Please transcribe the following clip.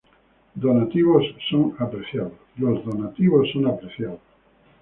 Donativos son apreciados.